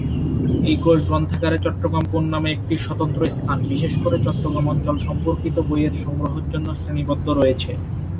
এই কোষ গ্রন্থাগারে "চট্টগ্রাম কোণ" নামে একটি স্বতন্ত্র স্থান, বিশেষ করে চট্টগ্রাম অঞ্চল সম্পর্কিত বইয়ের সংগ্রহের জন্য শ্রেণীবদ্ধ রয়েছে।